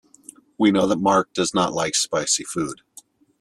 We know that Mark does not like spicy food.